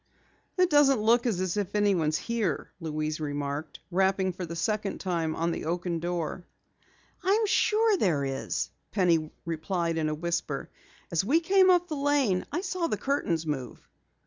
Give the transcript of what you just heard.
"It doesn't look as if anyone is here," Louise remarked, rapping for the second time on the oaken door. "I'm sure there is," Penny replied in a whisper. "As we came up the lane, I saw the curtains move."